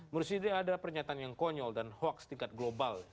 menurut saya ini adalah pernyataan yang konyol dan hoax tingkat global